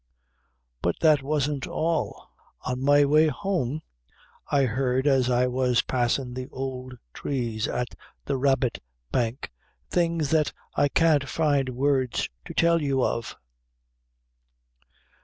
_" "But that wasn't all. On my way home, I heard, as I was passin' the ould trees at the Rabbit Bank, things that I can't find words to tell you of."